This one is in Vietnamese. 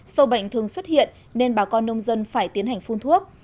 sâu bệnh thường xuất hiện nên bà con nông dân phải tiến hành phun thuốc